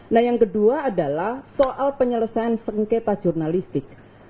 nah yang kedua adalah soal penyelesaian sengketa jurnalistik